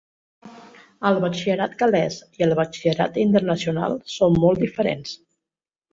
El batxillerat gal·lès i el Batxillerat Internacional són molt diferents.